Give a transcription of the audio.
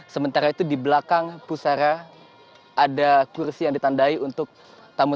sementara itu di belakang pusara ada kursi yang ditandai untuk tamu